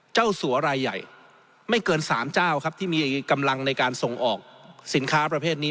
สัวรายใหญ่ไม่เกิน๓เจ้าครับที่มีกำลังในการส่งออกสินค้าประเภทนี้